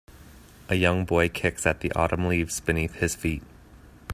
A young boy kicks at the autumn leaves beneath his feet.